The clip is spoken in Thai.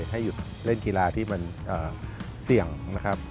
ให้หยุดเล่นกีฬาที่มันเสี่ยงนะครับ